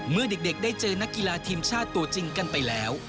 เมื่อเด็กได้เจอนักกีฬาทีมชาติตัวจริงกันไปแล้ว